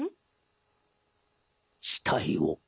死体を。